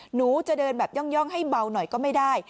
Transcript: หนูจะเดินแบบย่องให้เบาหน่อยก็ไม่ได้